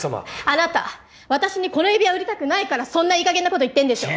あなた私にこの指輪売りたくないからそんないい加減なこと言ってんでしょ？